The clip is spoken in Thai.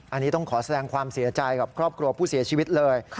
อันนี้ต้องขอแสดงความเสียใจกับครอบครัวผู้เสียชีวิตเลย